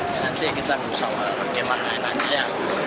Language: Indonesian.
nanti kita usahawar gimana enaknya